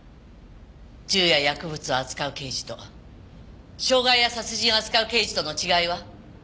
銃や薬物を扱う刑事と傷害や殺人を扱う刑事との違いは？